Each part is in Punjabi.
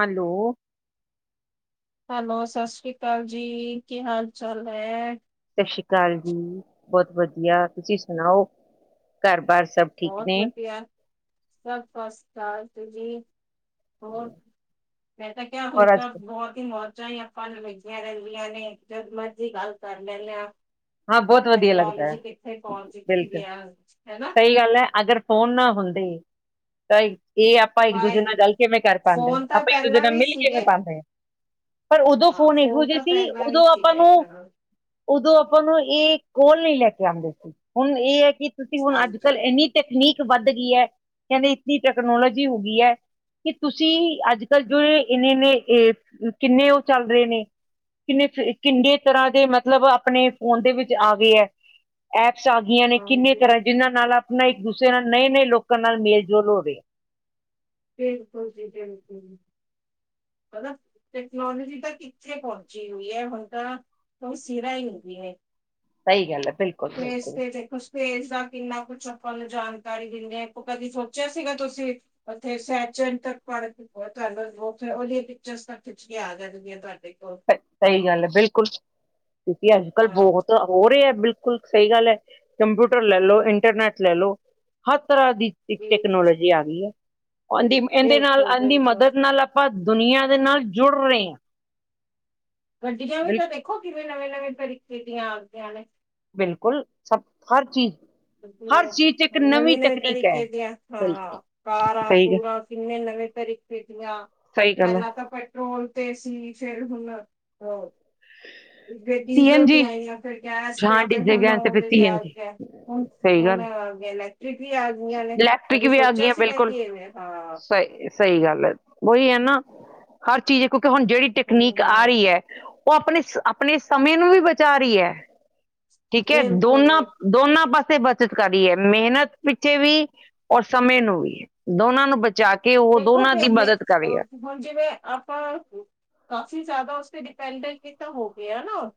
ਹੈਲੋ। ਹੈਲੋ ਸਤਿ ਸ੍ਰੀ ਅਕਾਲ ਜੀ ਕੀ ਹਾਲ ਚਾਲ ਨੇ? ਸਤਿ ਸ੍ਰੀ ਅਕਾਲ ਜੀ, ਬਹੁਤ ਵਧੀਆ ਤੁਸੀਂ ਸੁਣਾਓ, ਘਰ ਬਾਰ ਸਭ ਠੀਕ ਬਹੁਤ ਨੇ? ਵਧੀਆ, ਸਭ ਫਸ ਕਲਾਸ ਜੀ। ਹੋਰ, ਮੈਂ ਤਾਂ ਕਿਹਾ ਹੁਣ ਔਰ ਅੱਜ, ਤਾਂ ਬਹੁਤ ਹੀ ਮੌਜਾਂ ਈ ਆ। ਪੜਨ ਲੱਗੀਆਂ ਰਹਿੰਦੀਆਂ ਨੇ ਜਦ ਮਰਜੀ ਗੱਲ ਕਰ ਲੈਨੇ ਆ। ਹਾਂ ਬਹੁਤ ਵਧੀਆ ਲੱਗਦਾ ਹੈ। ਪਹੁੰਚ ਚੁੱਕੀ ਬਿਲਕੁਲ ਹੈ। ਹਨਾ, ਸਹੀ ਗੱਲ ਹੈ ਅਗਰ। ਫੋਨ ਨਾ ਹੁੰਦੇ। ਤਾਂ ਇਹ ਆਪਾਂ ਇੱਕ ਦੂਜੇ ਮੋਬਾਈਲ ਨਾਲ ਗੱਲ ਕੇ ਕਿਵੇਂ ਕਰ ਪਾਉਂਦੇ ਹਾਂ ਫੋਨ ਤਾਂ ਆਪਾਂ ਇੱਕ ਦੂਜੇ ਪਹਿਲਾਂ ਨਾਲ ਵੀ ਮਿਲ ਕਿਵੇਂ ਸੀਗੇ, ਪਾਉਂਦੇ ਹਾਂ। ਪਰ ਉਦੋਂ ਹਾਂ ਫੋਨ ਇਹੋ ਜਿਹੇ ਤਾਂ ਸੀ ਪਹਿਲਾਂ ਵੀ ਉਦੋਂ ਆਪਾਂ ਨੂੰ। ਸੀਗੇ, ਹਾਂ ਉਦੋਂ ਆਪਾਂ ਨੂੰ ਇਹ ਕੋਲ ਨਹੀਂ ਲੈ ਕੇ ਆਉਂਦੇ ਸੀ ਹੁਣ ਇਹ ਹੈ ਕਿ ਤੁਸੀਂ ਹੁਣ ਅੱਜ ਹਾਂਜੀ। ਕੱਲ ਇੰਨੀ। ਤਕਨੀਕ ਵੱਧ ਗਈ ਐ। ਕਹਿੰਦੇ ਇਨੀ ਟਕਨੋਲੋਜੀ ਹੋ ਗਈ ਏ। ਕਿ ਤੁਸੀਂ ਅੱਜ ਕੱਲ੍ਹ ਜੋ ਇੰਨੇ-ਇੰਨੇ ਕਿੰਨੇ ਉਹ ਚੱਲ ਰਹੇ ਨੇ। ਕਿੰਨੇ-ਕਿੰਨੇ ਤਰ੍ਹਾਂ ਦੇ ਮਤਲਬ ਆਪਣੇ। ਫੋਨ ਦੇ ਵਿੱਚ ਆ ਗਏ ਹੈ। ਐਪਸ ਆ ਗਈਆਂ ਨੇ ਕਿੰਨੇ ਹਾਂਜੀ, ਤਰ੍ਹਾਂ ਜਿਹਨਾਂ ਨਾਲ। ਆਪਣਾ ਇੱਕ ਦੂਸਰੇ ਨਾਲ ਨਏ ਨਏ ਲੋਕਾਂ ਨਾਲ ਮੇਲ ਜੋਲ ਹੋ ਰਹੇ। ਬਿਲਕੁਲ ਜੀ। ਬਿਲਕੁਲ ਮਤਲਬ ਟੈਕਨੋਲੋਜੀ ਤਾਂ ਇੱਥੇ ਪਹੁੰਚੀ ਹੋਈ ਐ ਹੁਣ ਤਾਂ। ਤਾਂ ਉਹ ਸਿਰਾ ਹੀ ਹੁੰਦੀ ਹੈ ਸਹੀ ਗੱਲ ਹੈ ਬਿਲਕੁਲ ਤੇ ਇਸ ਬਿਲਕੁਲ ਤੇ ਦੇਖੋ। ਫੇਰ ਦਾ ਕਿੰਨਾ ਕੁਛ ਆਪਾਂ ਨੂੰ ਜਾਣਕਾਰੀ ਦਿੰਦੇ ਆ ਕਦੀ ਸੋਚਿਆ ਸੀਗਾ ਤੁਸੀਂ। ਉੱਥੇ ਸੈਚੰ ਤਕ ਪੜ੍ਹ ਕੇ ਬਤ ਤੁਹਾਨੂੰ ਬਹੁ। ਉਹਲੀ ਪਿਕਰਸ ਖਿੱਚ ਕੇ ਆ ਜਾਨ ਗੀਆਂ ਤੁਹਾਡੇ ਕੋਲ। ਸਹੀ ਗੱਲ ਹੈ। ਬਿਲਕੁਲ ਕਿਉਂਕਿ ਅੱਜ ਕੱਲ ਹਾਂ ਬਹੁਤ। ਹੋ ਰਹੇ ਹੈ। ਬਿਲਕੁਲ ਸਹੀ ਗੱਲ ਹੈ। ਕੰਪਿਊਟਰ ਲੈ ਲਓ ਇੰਟਰਨੈਟ ਲੈ ਲਓ ਹਰ ਤਰ੍ਹਾਂ ਦੀ। ਇੱਕ ਜੀ ਟੈਕਨੋਲੋਜੀ ਆ ਗਈ ਹੈ। ਉਹਦੀ ਇਹਦੇ ਨਾਲ ਬਿਲਕੁਲ ਇਹਦੀ ਬਿਲਕੁਲ ਮਦਦ ਨਾਲ। ਆਪਾਂ ਦੁਨੀਆਂ ਦੇ ਨਾਲ ਜੁੜ ਰਹੇ ਹਾਂ। ਗੱਡੀਆਂ ਵੀ ਬਿਲ ਤਾਂ ਦੇਖੋ ਕਿਵੇਂ ਨਵੇਂ-ਨਵੇਂ ਤਰੀਕੇ ਦੀਆਂ ਆਦੀਆਂ ਨੇ। ਬਿਲਕੁਲ ਸਭ ਹਰ ਚੀਜ਼। ਹਰ ਚੀਜ਼ ਇੱਕ ਨਵੀਂ ਨਵੀਂ-ਨਵੀਂ ਤਕਨੀਕ ਹੈ ਤਰੀਕੇ ਤੇ ਬਿਲਕੁਲ ਹਾਂ ਕਾਰਾ ਸਹੀ ਹੈ ਕੁਰਾ। ਕਿੰਨੇ ਨਵੇਂ ਤਰੀਕੇ ਦੀਆਂ ਪਹਿਲਾਂ ਤਾਂ। ਪੈਟਰੋਲ ਤੇ ਸੀ ਫੇਰ ਹੁਣ ਅ। ਫਿਰ ਡੀਜ਼ਲ ਤੇ ਆਈ ਆ ਫਿਰ ਗੈਸ ਤੇ ਤੇ ਹੁਣ ਆਦੇ ਤਿਆਰ ਤੇ। ਹੁਣ ਹੁਣੈਂ ਇਲੈਕਟ੍ਰਿਕ ਵੀ ਆਗੀਆਂ ਨੇ ਤਾਂ ਅਸੀਂ ਸੋਚਿਆ ਸੀਗਾ ਕਿਵੇਂ ਹਾਂ। ਸਹੀ ਗੱਲ ਐ। ਉਹੀ ਐ। ਨਾ ਹਰ ਚੀਜ਼ ਕਿਉਂਕਿ ਹੁਣ ਜਿਹੜੀ ਟਕਨੀਕ ਆ ਹੁਣ ਰਹੀ ਐ। ਉਹ ਆਪਣੇ ਆਪਣੇ ਸਮੇਂ ਨੂੰ ਵੀ ਬਚਾ ਰਹੀ ਐ। ਠੀਕ ਹੈ। ਰੇਲ ਕੋਲ ਦੋਨਾਂ ਦੋਨਾਂ ਪਾਸੇ ਬੱਚਤ ਕਰ ਰੀ ਐ। ਮਿਹਨਤ ਪਿੱਛੇ ਵੀ। ਔਰ ਸਮੇਂ ਨੂੰ ਵੀ ਦੋਨਾਂ ਨੂੰ ਬਚਾ ਕੇ ਉਹ ਦੇਖੋ ਦੋਨਾਂ ਦੀ ਫਿਰ ਮੈਂ ਮਦਦ ਕਰ ਰਹੀ ਐ। ਅਹ ਹੁਣ ਜਿਵੇਂ ਆਪਾਂ ਕਾਫੀ ਜ਼ਿਆਦਾ ਉਸਤੇ ਡਿਪੈਂਡੈਂਟ ਤਾਂ ਹੋ ਗਏ ਨਾ।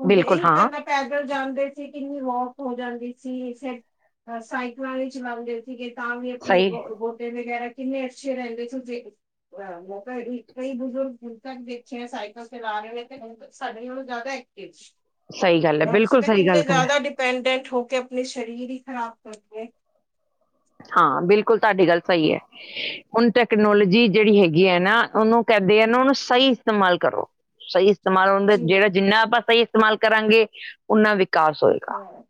ਹੁੰਦੇ ਬਿਲਕੁਲ ਇਹੀ ਤਾਂ। ਹਾਂ ਪੈਦਲ ਜਾਂਦੇ ਸੀ ਕਿੰਨੀ ਵੋਕ ਹੋ ਜਾਂਦੀ ਸੀ। ਫਿਰ ਸਾਈਕਲਾਂ ਵੀ ਲਈ ਚਲਾਉਂਦੇ ਸੀ। [unintelligible] ਤਾਂ ਵੀ ਆਪਣੇ ਸਹੀ ਗੋਡੇ ਵਗੈਰਾ ਕਿੰਨੇ ਅੱਛੇ ਰਹਿੰਦੇ ਤੁਸੀਂ। ਮੌਕਾ ਕਈ ਬਜ਼ੁਰਗ ਹੁਣ ਤੱਕ ਦੇਖੇ ਸਾਈਕਲ ਚਲਾ ਰਹੇ ਨੇ ਤੇ ਹੁਣ ਤ ਸਾਡੇ ਨਾਲੋਂ ਜ਼ਿਆਦਾ। ਸਹੀ ਗੱਲ ਹੈ ਅਕਸੀ ਬਿਲਕੁਲ ਦੇ ਸਹੀ ਗੱਲ ਕਿੰਨੇ ਕਰ ਜ਼ਿਆਦਾ ਨੇ। ਡਪੈਂਡੈਂਟ ਹੋ ਕੇ ਆਪਣੇ ਸ਼ਰੀਰ ਹੀ ਖਰਾਬ ਕਰਤੇ। ਹਾਂ ਬਿਲਕੁਲ ਤੁਹਾਡੀ ਗੱਲ ਸਹੀ ਹੈ ਹੁਣ ਤ। ਟੈਕਨੋਲੋਜੀ ਜਿਹੜੀ ਹੈਗੀ ਹੈ ਨਾ ਉਹਨੂੰ ਕਹਿੰਦੇ ਆ ਨਾ ਉਹਨੂੰ ਸਹੀ ਇਸਤੇਮਾਲ ਕਰੋ ਸਹੀ ਇਸਤੇਮਾਲ ਹੁੰਦਾ ਜੀ ਜਿਹੜਾ ਜਿੰਨਾ ਆਪਾਂ ਸਹੀ ਇਸਤੇਮਾਲ ਕਰਾਂਗੇ ਉਨਾ ਵਿਕਾਸ ਹੋਏਗਾ ਧਵਾ [unintelligible]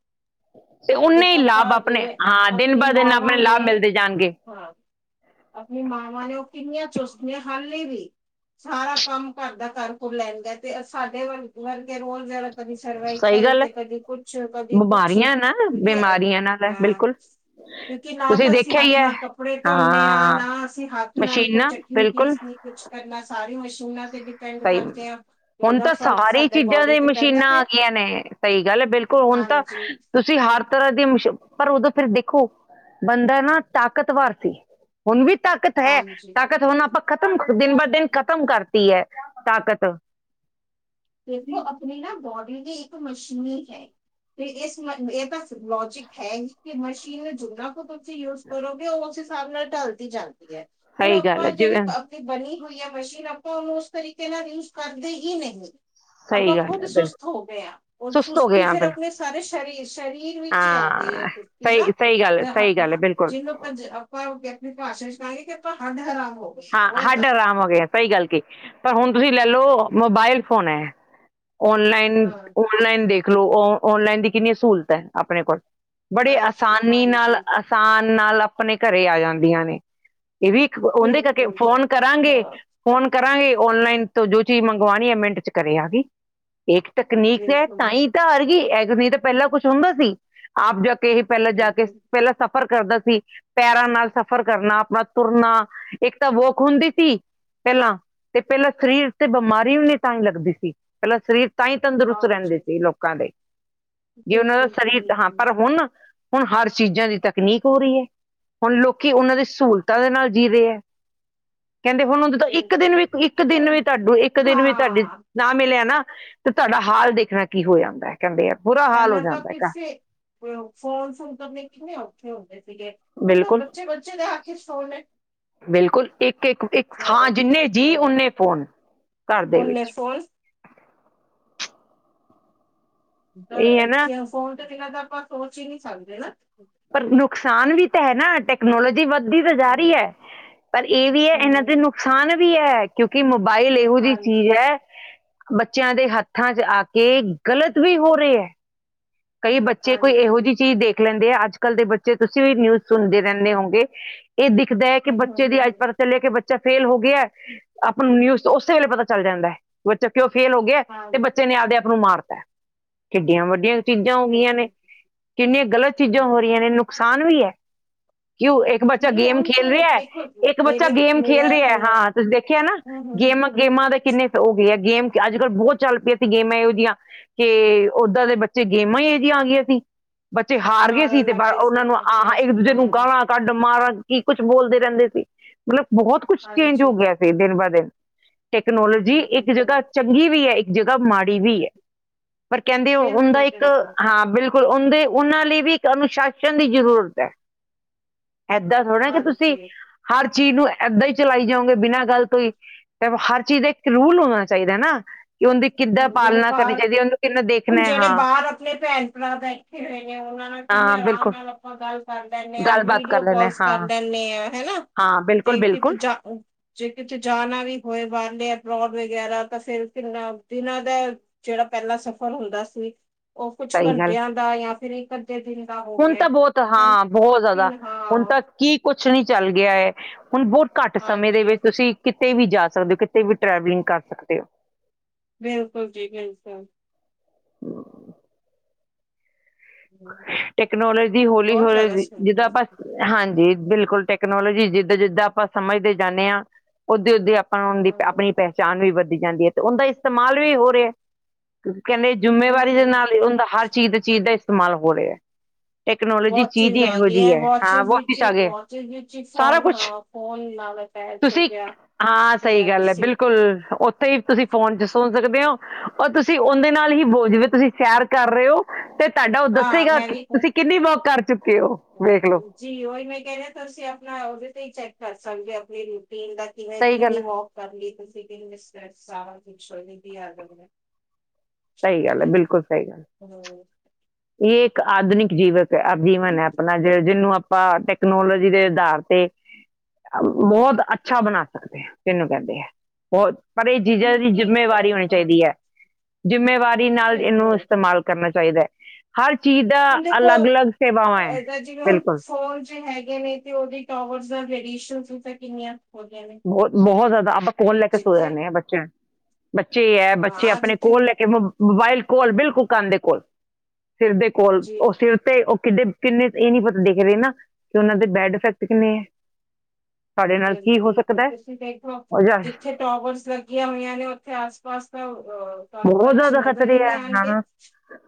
ਤੇ ਹ ਓਨੇ ਹੀ ਦੇਖਪਾ ਲਾਭ ਆਪਣੇ ਜੀਵੇ ਹਾਂ ਦਿਨ ਆਪਣੀ ਬ ਦਿਨ ਮਾਵਾਂ ਆਪਣੇ ਨੇ ਲਾਭ ਮਿਲਦੇ ਜਾਣਗੇ ਹਾਂ ਆਪਣੀ ਮਾਵਾਂ ਨੇ ਉਹ ਕਿੰਨੀਆਂ ਚੁਸਦੀਆਂ ਹਾਲੇ ਵੀ ਸਾਰਾ ਕੰਮ ਘਰ ਦਾ ਕੁੱਰ ਲੈਦੇ ਤੇ ਸਾਡੇ ਵਰ ਵਰਗੇ ਰੋਲ ਜਹੜਾ ਕਦੀ ਸਹੀ ਸਰਵਾਈਕਲ ਗੱਲ ਤੇ ਹੈ ਕਦੀ ਕੁਛ, ਕਦੀ ਕੁਛ, ਬਿਮਾਰੀਆਂ ਨਾ ਕਿਉਂਕਿ ਬਿਮਾਰੀਆਂ ਨਾਲ ਹੈ ਹਾਂ ਬਿਲਕੁਲ ਕਿਉਂਕਿ ਨਾ ਤੁਸੀਂ ਤਾਂ ਅਸੀਂ ਦੇਖਿਆ ਹੀ ਹੱਥ ਹੈ ਨਾਲ ਕੱਪੜੇ ਤੋਨੇਂ ਆ, ਹਾਂ ਨਾ ਅਸੀਂ ਹੱਥ ਨਾਲ ਕੋਈ ਮਸ਼ੀਨਾਂ ਚਟਨੀ ਬਿਲਕੁਲ ਪੀਸਨੀ ਕੁੱਛ ਕਰਨਾ ਸਾਰੀ ਮਸ਼ੀਨਾਂ ਤੇ ਡਿ ਡਿਪੇਂਡ ਸਹੀ ਕਰਦੇ ਆ ਤੇ ਹੁਣ ਓਦਾ ਤਾਂ ਫ਼ਰਕ ਸਾਡੇ ਬੋਡੀ ਤੇ ਪੈਂਦਾ ਪਿਆ। ਨਈ, ਸਈ ਗੱਲ ਐ ਬਿਲਕੁਲ ਹੁਨ ਤਾਂ ਹਾਂਜੀ ਤੁਸੀਂ ਤੁਸੀਂ ਹਰ ਤਰ੍ਹਾਂ ਦੀ ਸ਼ ਪਰ ਓਦੋਂ ਫਿਰ ਦੇਖੋ ਬੰਦਾ ਨਾ ਤਾਕਤਵਰ ਸੀ। ਹੁਨ ਵੀ ਤਾਕਤ ਹੈ, ਹਾਂਜੀ ਤਾਕਤ ਹੁਨ ਆਪਾਂ ਖਤਮ ਦਿਨ ਬ ਦਿਨ ਖ਼ਤਮ ਕਰਤੀ ਐ। ਤਾਕਤ ਦੇਖੋ ਆਪਣੀ ਨਾ ਬੋਡੀ ਦੀ ਇੱਕ ਮਸ਼ੀਨ ਹੈ। ਤੇ ਇਸ ਏ ਤਾਂ ਲੋਜਿਕ ਹੈ ਈ ਕਿ ਮਸ਼ੀਨ ਨੂੰ ਜਿਨ੍ਹਾਂ ਕੁ ਤੁਸੀ ਯੂਜ ਕਰੋਗੇ ਓ ਉਸ ਹਿਸਾਬ ਨਾਲ ਢਲਦੀ ਜਾਂਦੀ ਐ, ਹੁਨ ਸਹੀ ਗੱਲ ਆਪਾਂ ਹੈ ਜੇੜੀ ਜਿਵੇਂ ਬਣੀ ਹੋਈ ਹੈ ਮਸ਼ੀਨ ਆਪਾਂ ਓਨੂੰ ਉਸ ਤਰੀਕੇ ਨਾਲ ਯੂਜ ਕਰਦੇ ਹੀ ਨਹੀਂ। ਆਪਾਂ ਸਹੀ ਗੱਲ ਖੁਦ ਹੈ ਬਿਲਕੁਲ ਸੁਸਤ ਹੋ ਗਏ ਆਂ, ਓ ਸੁਸਤ ਹੋ ਗਏ ਸੁਸਤੀ ਹਾਂ ਫਿਰ ਅਪਨੇ ਬਿਲਕੁਲ ਸਾਰੇ ਸ਼ਰੀਰ, ਸ਼ਰੀਰ ਵਿੱਚ ਈ ਆ ਗਈ ਆ ਹਾਂ ਓ ਕੁੁਰਤੀ ਸਹੀ ਨਾ ਸਹੀ ਗੱਲ ਹੈ ਸਹੀ ਗੱਲ ਹੈ ਬਿਲਕੁਲ ਜਿਨੂੰ ਹਾਂਜੀ ਆਪਾਂ ਓ ਅਪਨੀ ਭਾਸ਼ਾ 'ਚ ਕਰਾਂਗੇ ਕਿ ਆਪਾਂ ਹਡ ਹਰਾਮ ਹੋ ਗਏ ਹਾਂ ਬਹੁਤ ਹੱਡ ਜ਼ਿਆਦਾ। ਆਰਾਮ ਹੋ ਗਏ ਆਂ, ਸਈ ਗੱਲ ਕਈ ਪਰ ਹੁਨ ਤੁਸੀਂ ਲੈ ਲੋ ਮੋਬਾਇਲ ਫੋਨ ਐ। ਓਨਲਾਈਨ, ਹਾਂ ਓਨਲਾਈਨ ਦੇਖ ਲੋ ਓਨ, ਓਨਲਾਈਨ ਦੀ ਕਿੰਨੀ ਸਹੂਲਤ ਐ ਆਪਣੇ ਕੋਲ। ਬੜੇ ਹਾਂਜੀ ਆਸਾਨੀ ਨਾਲ, ਹਾਂਜੀ ਆਸਾਨ ਨਾਲ ਅਪਨੇ ਘਰੇ ਆ ਜਾਂਦੀਆਂ ਨੇ ਏ ਵੀ ਓਂਦੇ ਕਰਕੇ ਬਿਲਕੁਲ ਜੀ ਫੋਨ ਕਰਾਂਗੇ ਹਾਂ। ਫੋਨ ਕਰਾਂਗੀ ਓਨਲਾਈਨ ਤੋਂ ਜੋ ਚੀਜ਼ ਮੰਗਵਾਣੀ ਹੈ ਮਿੰਟ 'ਚ ਘਰੇ ਆਗੀ ਇੱਕ ਟੱਕਨੀਕਜ਼ ਹੈ, ਤਾਂ ਬਿਲਕੁਲ, ਹੀ ਤਾਂ ਹਰ ਗਈ ਐ ਟੱਕਨੀਕਜ਼ ਤਾਂ ਪਹਿਲਾਂ ਕੁਛ ਹੁੰਦਾ ਸੀ ਆਪ ਜਾ ਕੇ ਇਹ ਪਹਿਲਾਂ ਜਾ ਕੇ, ਬਿਲਕੁਲ। ਪਹਿਲਾਂ ਸਫ਼ਰ ਕਰਦਾ ਸੀ, ਪੈਰਾਂ ਨਾਲ ਸਫ਼ਰ ਕਰਨਾ ਆਪਣਾ ਤੁਰਨਾ ਇੱਕ ਤਾਂ ਵੋਕ ਹੁੰਦੀ ਸੀ। ਪਹਿਲਾਂ ਤੇ ਪਹਿਲਾਂ ਸਰੀਰ ਤੇ ਬਮਾਰੀ ਵੀ ਤਾਂਈ ਲੱਗਦੀ ਸੀ ਪਹਿਲਾਂ ਸਰੀਰ ਤਾਂ ਹੀ ਤੰਦਰੁਸਤ ਰਹਿੰਦੇ ਹਾਂਜੀ, ਸੀ ਲੋਕਾਂ ਦੇ, ਜੇ ਓਨਾਂ ਦਾ ਬਿਲਕੁਲ ਜੀ ਸਰੀਰ ਹਾਂ ਪਰ ਬਿਲਕੁਲ, ਹੁਨ ਹੁਨ ਹਰ ਚੀਜ਼ਾਂ ਦੀ ਤਕਨੀਕ ਹੋ ਰੀ ਐ, ਹੁਨ ਲੋਕੀ ਓਨਾਂ ਦੀ ਸਹੂਲਤਾਂ ਦੇ ਨਾਲ ਜੀ ਰਹੇ ਐ। ਕਹਿੰਦੇ ਹੁਨ ਓ ਜਦੋਂ ਇੱਕ ਦਿਨ ਬਿਲਕੁਲ। ਵੀ, ਇੱਕ ਦਿਨ ਵੀ ਤੁਹਾਡੂੰ ਇੱਕ ਦਿਨ ਵੀ ਤੁਹਾਡੀੇ ਹਾਂ, ਨਾ ਮਿਲਿਆ ਨਾ ਤੇ ਤਾਡਾ ਹਾਲ ਦੇਖਨਾ ਕੀ ਹੋ ਜਾਂਦਾ ਐ ਕਹਿੰਦੇ ਆ ਬੁਰਾ ਹਾਲ ਹੋ ਪਹਿਲਾਂ ਤਾਂ ਜਾਂਦਾਗਾ। ਕਿਸੇ [unintelligible] ਫੋਨ ਫੂਨ ਕਰਨੇ ਕਿੰਨੇ ਔਖੇ ਹੁੰਦੇ ਸੀਗੇ। ਹੂੰਨ ਤਾਂ ਬਿਲਕੁਲ ਬੱਚੇ-ਬੱਚੇ ਦੇ ਹੱਥ 'ਚ ਫੋਨ ਏ। ਬਿਲਕੁਲ, ਇੱਕ, ਇੱਕ, ਇੱਕ ਹਾਂ ਜਿੰਨੇ ਜੀ ਓਨੇ ਫੋਨ। ਘਰ ਦੇ ਓਨੇ ਵਿੱਚ ਫੋਨ। [unintelligible] ਇਹ ਹੈ ਨਾ ਫੋਨ ਤੇ ਜਗਾ ਤੇ ਆਪਾਂ ਸੋਚ ਈ ਨੀ ਸਕਦੇ ਨਾ। ਪਰ ਨੁਕਸਾਨ ਵੀ ਤੇ ਹੈ ਨਾ ਟੈਕਨੋਲੋਜੀ ਵੱਧ ਦੀ ਤੇ ਜਾ ਰੀ ਐ ਪਰ ਐ ਵੀ ਐ ਏਨਾਂ ਦੇ ਹੂੰ, ਨੁਕਸਾਨ ਵੀ ਐ। ਕਿਉਂਕਿ ਮੋਬਾਈਲ ਇਹੋ ਜੀ ਚੀਜ਼ ਹਾਂਜੀ, ਐ ਬੱਚਿਆਂ ਦੇ ਹੱਥਾਂ 'ਚ ਆ ਕੇ ਗਲਤ ਵੀ ਹੋ ਰੇ ਐ। ਕਈ ਬੱਚੇ ਕੋਈ ਹਾਂਜੀ। ਇਹੋ ਜਿਹੀ ਚੀਜ਼ ਦੇਖ ਲੈਂਦੇ ਆ, ਅੱਜ-ਕੱਲ੍ਹ ਦੇ ਬੱਚੇ ਤੁਸੀਂ ਵੀ ਨਿਊਜ਼ ਸੁਨਦੇ ਰਹਿੰਦੇ ਹੋਗੇ ਏ ਦਿਖਦਾ ਐ ਕਿ ਬੱਚੇ ਦੀ ਹੂੰ-ਹੂੰ-ਹੂੰ, [unintelligible] ਚੱਲਿਆ ਕਿ ਬੱਚਾ ਫੇਲ ਹੋ ਗਿਆ, ਆਪਾਂ ਨੂੰ ਨਿਊਜ਼ ਓਸੇ ਵੇਲੇ ਪਤਾ ਚੱਲ ਜਾਂਦਾ ਐ ਬੱਚਾ ਕਿਉਂ ਫੇਲ ਹੋ ਗਿਆ। ਗਯਾ ਤੇ ਹਾਂਜੀ, ਬੱਚੇ ਨੇ ਆਪਦੇ ਆਪ ਨੂੰ ਮਾਰਤਾ, ਕਿੱਡੀਆਂ ਵੱਡੀਆਂ ਚੀਜ਼ਾਂ ਹੋ ਗਈਆਂ ਨੇ, ਬਿਲਕੁਲ। ਕਿੰਨੀਆਂ ਗਲਤ ਚੀਜ਼ਾਂ ਹੋ ਹਾਂਜੀ, ਰਹੀਆਂ ਨੇ, ਨੁਕਸਾਨ ਵੀ ਐ ਕਿਉ ਇੱਕ ਇੱਕ ਬੱਚਾ ਨਹੀਂ ਗੇਮ ਉਹੀ ਖੇਲ ਤਾਂ ਰਿਹਾ, ਦੇਖੋ ਇੱਕ ਬੱਚਾ ਮੇਰੇ ਗੇਮ ਖੇਲ ਮੇਰਾ ਰਿਹਾ, ਹੁਣ ਹਾਂ ਤੁਸੀਂ ਦੇਖਿਆ ਨਾ ਹੂੰ-ਹੂੰ-ਹੂੰ ਗੇਮ ਗੇਮਾਂ ਦੇ ਕਿੰਨੇ ਹੋ ਗਏ ਐ, ਗੇਮ ਅੱਜ-ਕੱਲ੍ਹ ਬੋਤ ਚੱਲ ਪਈ ਗੇਮਾਂ ਇਹੋ ਜਿਹੀਆਂ। ਕੇ ਓਦਾਂ ਦੇ ਬੱਚੇ ਗੇਮਾਂ ਈ ਏਹੋ ਜਿਆਂ ਆ ਗਈਆਂ ਸੀ। ਬੱਚੇ ਹਾਰ ਗਏ ਸੀ ਮਾਰਨ ਤੇ ਲੱਗ ਗਏ ਉਹਨਾਂ ਸੀ ਨੂੰ ਆ ਇਥੇ ਉਸ ਇੱਕ ਨੇ ਦੂਜੇ ਨੂੰ ਮਾਰੀ ਗਾਲਾਂ। ਕੱਡ ਮਾਰਾ ਕੀ ਕੁੱਛ ਬੋਲਦੇ ਰਹਿੰਦੇ ਸੀ ਮਤਲਬ ਬਹੁਤ ਕੁੱਛ ਚੇਂਜ ਹਾਂਜੀ ਹੋ ਗਿਆ ਸੀ। ਦਿਨ ਬਾ ਦਿਨ ਟੈਕਨੋਲੋਜੀ ਇੱਕ ਬਿਲਕੁਲ ਜਗ੍ਹਾ ਚੰਗੀ ਵੀ ਹੈ, ਇੱਕ ਜਗ੍ਹਾ ਮਾੜੀ ਵੀ ਹੈ। ਪਰ ਕਹਿੰਦੇ ਉਹ ਹੁੰਦਾ ਇੱਕ ਬਿਲਕੁਲ-ਬਿਲਕੁਲ ਹਾਂ ਬਿਲਕੁਲ ਉਹਦੇ ਉਹਨਾਂ ਲਈ ਵੀ ਇੱਕ ਅਨੁਸ਼ਾਸਨ ਦੀ ਜ਼ਰੂਰਤ ਹੈ। ਇੱਦਾਂ ਥੋੜਾ ਕਿ ਤੁਸੀਂ ਹਾਂਜੀ ਹਰ ਚੀਜ਼ ਨੂੰ ਇੱਦਾਂ ਹੀ ਚਲਾਈ ਜਾਓਗੇ ਬਿਨਾਂ ਗੱਲ ਤੋਂ ਹੀ ਤੇ ਹਰ ਚੀਜ਼ ਦਾ ਇੱਕ ਰੂਲ ਹੋਣਾ ਚਾਹੀਦਾ ਨਾ ਕਿ ਉਹਦੀ ਕਿੱਦਾਂ ਹੁਣ ਜਿਹੜੇ ਪਾਲਣਾ ਕਰਨੀ ਬਾਹਰ ਚਾਹੀਦੀ ਹੈ, ਉਹਨੂੰ ਕਿੰਨਾ ਦੇਖਣਾ ਹੁਣ ਹੈ ਜਿਹੜੇ ਹਾਂ ਬਾਹਰ ਆਪਣੇ ਭੈਣ ਭਰਾ ਬੈਠੇ ਹੋਏ ਨੇ ਉਹਨਾਂ ਨਾਲ ਕਿੰਨੇ ਹਾਂ ਆਰਾਮ ਬਿਲਕੁਲ ਨਾਲ ਆਪਾਂ ਗੱਲ ਕਰ ਲੈਨੇ ਆ ਗੱਲਬਾਤ ਕਰ ਵੀਡੀਓ ਲੈਣਾ ਹੈ, ਕਾਲਸ ਕਰ ਹਾਂ ਲੈਨੇ ਆ ਹੈ ਨਾ। ਹਾਂ ਬਿਲਕੁਲ ਤੇ ਕਿਤੇ ਬਿਲਕੁਲ ਜਾ ਜੇ ਕਿਤੇ ਜਾਣਾ ਵੀ ਹੋਏ ਬਾਹਰਲੇ ਅਪਰੋਡ ਵਗੈਰਾ ਤਾਂ ਫਿਰ ਕਿਨਾ ਦਿਨਾਂ ਦਾ ਜਿਹੜਾ ਪਹਿਲਾ ਸਫ਼ਰ ਹੁੰਦਾ ਸੀ ਉਹ ਕੁਛ ਸਹੀ ਗੱਲ ਘੰਟਿਆਂ ਦਾ ਜਾਂ ਫਿਰ ਇਕ ਘ ਤੇ ਦਿਨ ਦਾ ਹੋ ਹੁਣ ਗਿਆ ਤਾਂ ਬਹੁਤ ਹਾਂ ਬਹੁਤ ਜ਼ਿਆਦਾ ਹੁਣ ਹਾਂ ਤਾਂ ਕੀ ਕੁਛ ਨੀ ਚੱਲ ਗਿਆ ਹੈ ਹੁਣ ਬਹੁਤ ਘੱਟ ਸਮੇਂ ਦੇ ਹਾਂਜੀ ਵਿੱਚ ਤੁਸੀਂ ਕਿਤੇ ਵੀ ਜਾ ਸਕਦੇ ਹੋ ਕਿਤੇ ਵੀ ਟਰੈਵਲਿੰਗ ਕਰ ਸਕਦੇ ਹੋ। ਬਿਲਕੁਲ ਜੀ, ਬਿਲਕੁਲ। ਟੈਕਨੋਲੋਜੀ ਹੌਲੀ ਬਹੁਤ ਜ਼ਿਆਦਾ ਹੌਲੀ ਸ਼ੌਕ ਜਿੱਦਾਂ ਆਪਾਂ ਹੈ। ਹਾਂਜੀ ਬਿਲਕੁਲ ਟੈਕਨੋਲੋਜੀ ਜਿੱਦਾਂ ਜਿੱਦਾਂ ਆਪਾਂ ਸਮਝਦੇ ਜਾਂਦੇ ਹਾਂ ਉਦੇ ਓਦੇ ਆਪ ਆਪ ਦੀ ਆਪਣੀ ਪਹਿਚਾਣ ਵੀ ਵੱਧਦੀ ਜਾਂਦੀ ਏ ਤੇ ਉਹਦਾ ਇਸਤੇਮਾਲ ਵੀ ਹੋ ਰਿਹਾ ਏ ਕਿਉਕਿ ਕਹਿੰਦੇ ਜਿੰਮੇਵਾਰੀ ਦੇ ਬਿਲਕੁਲ ਨਾਲ ਉਦਾ ਹਰ ਚੀਜ਼ ਚੀਜ਼ ਦਾ ਇਸਤੇਮਾਲ ਹੋ ਰਿਹਾ ਹੈ। ਟੈਕਨੋਲੋਜੀ ਚੀਜ਼ ਵਾਚਿਸ ਦੀ ਆ ਇਹੋ ਜਿਹੀ ਗਈਆਂ ਹੈ ਹਾਂ ਵਾਚਿਸ ਬਹੁਤ ਵਿੱਚ ਪੀਸ ਆ ਹੀ ਗਏ ਵਾਚਿਸ ਵਿੱਚ ਹੀ ਸਾਰਾ ਫੋਨ ਕੁਛ। ਹਾਂ ਫੋਨ ਨਾਲ ਅਟੈਚ ਹੋ ਤੁਸੀਂ ਗਿਆ ਹਾਂ ਸਹੀ ਪੂਰਾ ਗੱਲ ਹੈ ਤੁਸੀਂ ਬਿਲਕੁਲ ਉਥੇ ਤੁਸੀਂ ਫੋਨ ਚ ਸੁਣ ਸਕਦੇ ਹੋ ਔਰ ਤੁਸੀਂ ਉਹਦੇ ਨਾਲ ਹੀ ਬੋਲ ਜਾਵੇ ਤੁਸੀਂ ਸ਼ੈਰ ਕਰ ਰਹੇ ਹੋ। ਤੇ ਤੁਹਾਡਾ ਉਹ ਹਾਂ ਦੱਸੇਗਾ ਮੈਂ ਵੀ ਹਾਂ, ਤੁਸੀਂ ਕਿੰਨੀ ਵੋਕ ਕਰ ਚੁੱਕੇ ਹੋ ਵੇਖ ਲਉ। ਜੀ ਉਹੀ ਮੈਂ ਕਹਿ ਰਹੀ ਆ ਤੁਸੀਂ ਆਪਣਾ ਉਹਦੇ ਤੇ ਹੀ ਚੈੱਕ ਕਰ ਸਕਦੇ ਆਪਣੀ ਰੂਟੀਨ ਦਾ ਕਿਵੇੈਂ ਕਿੰਨੀ ਵੋਕ ਕਰ ਲਈ ਤੁਸੀਂ ਕਿੰਨੇ ਸਟੈਪ ਸਾਰਾ ਕੁਝ ਉਹਦੇ ਤੇ ਹੀ ਆ ਜਾਂਦਾ। ਸਹੀ ਗੱਲ ਹੈ, ਬਿਲਕੁਲ ਸਹੀ ਗੱਲ। ਹੈਲੋ ਇਹ ਇੱਕ ਆਧੁਨਿਕ ਜੀਵਕ ਜੀਵਨ ਹੈ ਆਪਣਾ ਜ ਜਿਹਨੂੰ ਆ ਆਪਾਂ ਟੈਕਨੋਲੋਜੀ ਦੇ ਆਧਾਰ ਤੇ ਬਹੁਤ ਅੱਛਾ ਬਣਾ ਸਕਦੇ ਤੈਨੂੰ ਕਹਿੰਦੇ ਆ। ਹੋਰ ਪਰ ਇਹ ਚੀਜ਼ਾਂ ਦੀ ਤਕਨੀਕੀ ਜਿੰਮੇਵਾਰੀ ਅ, ਹੋਣੀ ਹਾਂ ਚਾਹੀਦੀ ਹੈ। ਜ਼ਿੰਮੇਵਾਰੀ ਨਾਲ ਇਹਨੂੰ ਬਿਲਕੁਲ ਇਸਤੇਮਾਲ ਕਰਨਾ ਚਾਹੀਦਾ ਹੈ ਹਰ ਚੀਜ਼ ਦਾ ਹੁਣ ਦੇਖੋ ਅਲੱਗ-ਅਲੱਗ ਸੇਵਾਵਾਂ ਹੈ ਏਦਾਂ ਜਿਵੇਂ ਹੁਣ ਬਿਲਕੁਲ ਫੋਨ ਚ ਤੇ ਹੈਗੇ ਨੇ ਤੇ ਉਹਦੇ ਟੋਵਰਸ ਦਾ ਰੇਡੀਏਸ਼ਨ ਵੀ ਤਾਂ ਕਿੰਨੀਆਂ ਹੋ ਗਈਆਂ ਨੇ ਬਹੁਤ ਬਹੁਤ ਜ਼ਿਆਦਾ ਆਪਾਂ ਕੌਣ ਲੈ ਕੇ ਸੋ ਜਿੱਥੇ ਜਾਂਦੇ ਆ ਬੱਚਿਆਂ ਬੱਚੇ ਹੈ ਬੱਚੇ ਹਾਂ ਆਪਣੇ ਜਿੱਥੇ ਕੋਲ ਲੈ ਕੇ ਮੋਬਾਈਲ ਕੋਲ ਬਿਲਕੁਲ ਕੰਨ ਦੇ ਕੋਲ ਸਿਰ ਦੇ ਕੋਲ ਜੀ ਉਹ ਸਿਰ ਤੇ ਉਹ ਕਿੱਡੇ ਕਿੰਨੇ ਇਹ ਨੀ ਪਤਾ ਦੇਖ ਰਹੇ ਨਾ ਕਿ ਉਹਨਾਂ ਦੇ ਬੈਡ ਇਫੈਕਟ ਕਿੰਨੇ ਆ। ਸਾਡੇ ਨਾਲ ਕੀ ਹੋ ਸਕ ਬਿਲਕੁਲ ਤੁਸੀਂ ਦੇਖੋ ਜਿੱਥੇ ਟੋਵਰਸ ਲੱਗੀਆਂ ਹੋਈਆਂ ਨੇ ਉੱਥੇ ਆਸ ਪਾਸ ਤਾਂ ਅ ਤੁਹਾਨੂੰ ਬਹੁਤ ਪੰਛੀ ਜ਼ਿਆਦਾ ਨਜ਼ਰ ਖਤਰੇ ਹੀ ਹੈ ਨਹੀਂ ਆਣਗੇ ਹਾਂ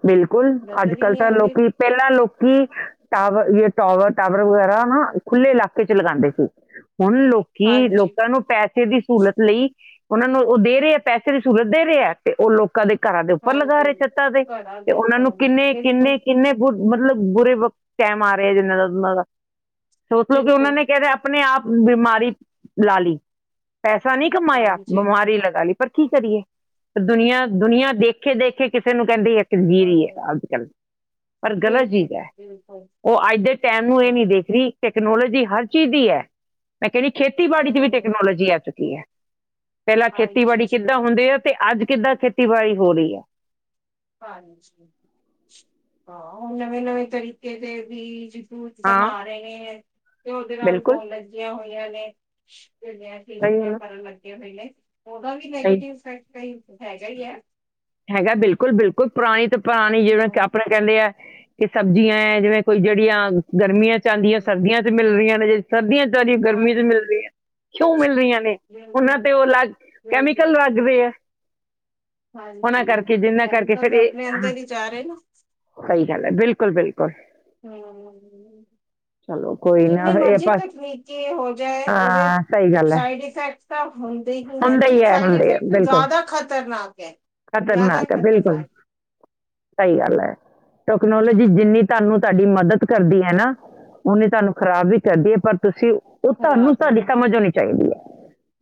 ਬਿਲਕੁਲ ਅੱਜ ਨਜ਼ਰ ਹੀ ਕੱਲ ਨਹੀਂ ਤਾਂ ਆਂਦੇ ਲੋਕੀ ਪਹਿਲਾਂ ਲੋਕੀ ਟਾਵਰ -ਟਾਵਰ- ਟਾਵਰ ਵਗੈਰਾ ਨਾ ਖੁੱਲ੍ਹੇ ਇਲਾਕੇ ਚ ਲਗਾਂਦੇ ਸੀ। ਹੈਲੋ ਕਿ ਹਾਂਜੀ ਲੋਕਾਂ ਨੂੰ ਪੈਸੇ ਦੀ ਸਹੂਲਤ ਲਈ ਉਹਨਾਂ ਨੂੰ ਉਹ ਦੇ ਰਹੇ ਆ ਪੈਸੇ ਦੀ ਸਹੂਲਤ ਦੇ ਰਹੇ ਆ ਤੇ ਉਹ ਲੋਕਾਂ ਦੇ ਘਰਾਂ ਦੇ ਉੱਪਰ ਲਗਾ ਹਾਂਜੀ ਰਹੇ ਛੱਤਾ ਤੇ ਘਰਾਂ ਤੇ ਦੇ ਉਹਨਾਂ ਨੂੰ ਹਾਂ ਕਿੰਨੇ ਬਿਲਕੁਲ ਕਿੰਨੇ ਕਿੰਨੇ ਮਤਲਬ ਬੁਰੇ ਵਕਤ ਟੈਮ ਆ ਰਿਹਾ ਜਿਨਾਂ ਦਾ ਉਨਾਂ ਦਾ ਸੋ ਮਤਲਬ ਕਿ ਉਹਨਾਂ ਬਿਲਕੁਲ ਨੇ ਕਹਿਦੇ ਆਪਣੇ ਆਪ ਬਿਮਾਰੀ, ਲਾ ਲੀ, ਪੈਸਾ ਨੀ ਕਮਾਇਆ ਹਾਂਜੀ ਬਿਮਾਰੀ ਲਗਾ ਲੀ। ਪਰ ਕੀ ਕਰੀਏ। ਦੁਨੀਆਂ ਦੁਨੀਆਂ ਦੇਖੇ-ਦੇਖੇ ਕਿਸੇ ਨੂੰ ਕਹਿੰਦੀ ਐ। ਹਾਂ ਗਗੀਰੀ ਹੈ ਅੱਜਕੱਲ, ਪਰ ਗਲਤ ਚੀਜ਼ ਬਿਲਕੁਲ ਐ। ਬਿਲਕੁਲ ਉਹ ਅੱਜ ਦੇ ਟੈਮ ਨੂੰ ਇਹ ਹਾਂ ਨੀ ਦੇਖ ਰਹੀ ਟੈਕਨੋਲੋਜੀ ਹਰ ਚੀਜ਼ ਦੀ ਐ, ਮੈਂ ਕਹਿੰਨੀ ਖੇਤੀਬਾੜੀ 'ਚ ਵੀ ਹਾਂ ਟੈਕਨੋਲੋਜੀ ਆ ਚੁੱਕੀ ਐ। ਪਹਿਲਾਂ ਖੇਤੀਬਾੜੀ ਹਾਂਜੀ ਕਿੱਦਾਂ ਹੁੰਦੇ ਆ ਤੇ ਅੱਜ ਕਿੱਦਾਂ ਖੇਤੀਬਾੜੀ ਹੋ ਰਹੀ ਐ। ਹਾਂਜੀ, ਹਾਂ ਉਹ ਨਵੇਂ-ਨਵੇਂ ਤਰੀਕੇ ਦੇ ਵੀ ਦੂਧ ਹਾਂ ਬਣਾ ਰਹੇ ਨੇ, ਤੇ ਉਹਦੇ ਨਾਲ ਬਿਲਕੁਲ ਹੋਣ ਲੱਗੀਆਂ ਹੋਈਆਂ ਸਹੀ ਨੇੜੀਆਂ ਗੱਲ ਹੈ, ਕਰਨ ਲੱਗੇ ਹੋਏ ਨੇ, ਉਹਦਾ ਵੀ ਸਹੀ ਨੈਗੇਟਿਵ ਇਫੈਕਟ ਕ ਹੈਗਾ ਹੀ ਏ। ਹੈਗਾ ਬਿਲਕੁਲ-ਬਿਲਕੁਲ ਪੁਰਾਣੀ ਤੋਂ ਪੁਰਾਣੀ ਜਿਵੇਂ ਕਿ ਹੂੰ, ਆਪਣੇ- ਕਹਿੰਦੇ ਆ, ਕਿ ਸਬਜ਼ੀਆਂ ਏ ਜਿਵੇਂ ਕੋਈ ਜਿਹੜੀਆਂ ਗਰਮੀਆਂ 'ਚ ਆਂਦੀਆਂ ਸਰਦੀਆਂ 'ਚ ਮਿਲ ਰਹੀਆਂ ਨੇ ਜੇ ਸਰਦੀਆਂ 'ਚ [unintelligible] ਗਰਮੀ 'ਚ ਮਿਲ ਹਾਂਜੀ ਰਹੀ ਐ। ਕਿਉਂ ਮਿਲ ਰਹੀਆਂ ਨੇ, ਬਿਲਕੁਲ ਉਹਨਾਂ ਤੇ ਉਹ ਅਲੱਗ ਬਿਲਕੁਲ ਕੈਮੀਕਲ ਲੱਗਦੇ ਆ। ਉਹਨਾਂ ਹਾਂਜੀ, ਕਰਕੇ ਉਹ ਜਿੰਨਾ ਕਰਕੇ ਫਿਰ ਕੈਮੀਕਲ ਆਪਣੇ ਇਹ ਹਾਂ ਅੰਦਰ ਹੀ ਜਾ ਰਹੇ ਨਾ। ਸਹੀ ਗੱਲ ਐ ਬਿਲਕੁਲ-ਬਿਲਕੁਲ। ਹੂੰ ਕੋਈ ਨਾ ਜਿੰਨੀ ਇਹ ਮਰਜ਼ੀ ਆਪਾਂ ਤਕਨੀਕੀ ਹੋ ਜਾਏ ਉਹਦੇ, ਹਾਂ ਸਹੀ ਗੱਲ ਹੈ ਸਾਈਡ ਇਫੈਕਟ ਤਾਂ ਹੁੰਦੇ ਹੀ ਹੈ ਤੇ ਸਾਈਡ ਇਫੈਕਟ ਜ਼ਿਆਦਾ ਖ਼ਤਰਨਾਕ ਐ। ਖ਼ਤਰਨਾਕ ਐ ਬਿਲਕੁਲ, ਸਹੀ ਗੱਲ ਐ। ਟੈਕਨੋਲੋਜੀ ਜਿੰਨੀ ਤੁਹਾਨੂੰ ਤੁਹਾਡੀ ਮਦਦ ਕਰਦੀ ਐ ਨਾ ਉਹਨੀ ਤੁਹਾਨੂੰ ਖ਼ਰਾਬ ਵੀ ਕਰਦੀ ਹੈ ਪਰ ਤੁਸੀਂ, ਉਹ ਤੁਹਾਨੂੰ ਖ਼ਰਾਬ ਤੁਹਾਡੀ ਸਮਝ ਹੋਣੀ ਚਾਹੀਦੀ ਐ।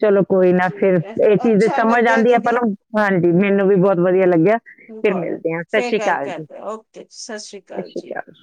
ਚਲੋ ਕੋਈ ਨਾ ਫੇਰ ਠੀਕ ਹੈ, ਇਹ ਚੀਜ਼ ਦੀ ਅੱਛਾ ਸਮਝ ਲੱਗਿਆ ਆਂਦੀ ਏ ਆਪਾਂ ਦੀਦੀ, ਨੂੰ ਹਾਂਜੀ ਮੈਨੂੰ ਵੀ ਬਹੁਤ ਵਧੀਆ ਲੱਗਿਆ, ਫਿਰ ਮਿਲਦੇ ਆ ਸਤਿ ਫੇਰ ਸ਼੍ਰੀ ਗੱਲ ਅਕਾਲ ਜੀ। ਕਰਦੇ ਓਕੇ ਸ੍ਰੀ ਸਤਿ ਅਕਾਲ ਜੀ। ਸ਼੍ਰੀ ਆਕਾਲ।